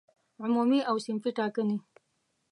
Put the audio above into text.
عمومي او صنفي ټاکنې